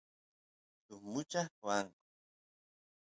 suk mucha qoanku